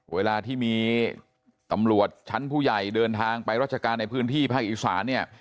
เวลาที่มีตำรวจชั้นผู้ใหญ่เดินทางไปราชการในพื้นที่ภาคอีสานเนี่ย